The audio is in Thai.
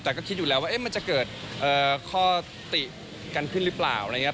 แต่ก็คิดอยู่แล้วว่ามันจะเกิดข้อติกันขึ้นหรือเปล่าอะไรอย่างนี้